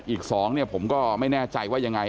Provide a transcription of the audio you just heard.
อีก๒ผมก็ไม่แน่ใจว่ายังไง